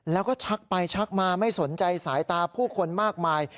แล้วก็ชักไปชักมาไม่สนใจสายตาผู้คนมากมาย